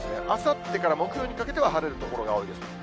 あさってから木曜にかけては晴れる所が多いです。